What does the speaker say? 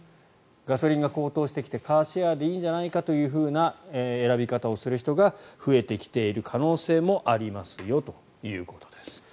ガソリンが高騰してきてカーシェアでいいんじゃないかという選び方をする人が増えてきている可能性もありますよということです。